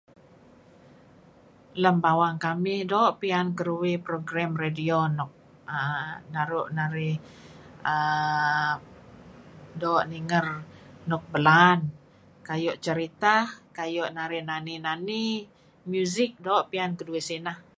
Lem bawang kamih doo' piyan keduih program radio nuk err naru' narih err doo' ninger nuk belaan, kayu' ceritah, narih nani-nani, music doo' piyan keduih sineh.